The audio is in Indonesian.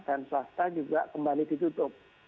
dan swasta juga kembali ditutup